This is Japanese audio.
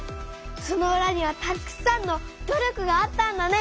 そのうらにはたくさんの努力があったんだね！